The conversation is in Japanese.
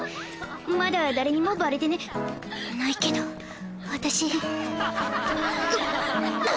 まだ誰にもバレてねないけど私んなっ。